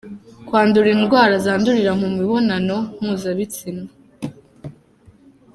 Kwandura indwara zandurira mu mibonano mpuzabitsina.